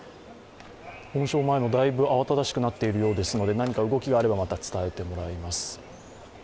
法務省前もだいぶ慌ただしくなっているようですので、何か動きがあればまた伝えてもらいます。